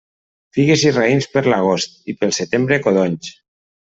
Figues i raïms per l'agost, i pel setembre, codonys.